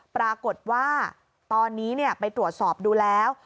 ปรากฏว่าตอนนี้ไปตรวจสอบดูแล้ว